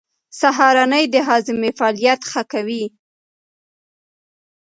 سهارنۍ د هاضمې فعالیت ښه کوي.